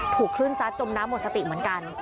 ถูกคลื่นซัดจมน้ำหมดสติเหมือนกัน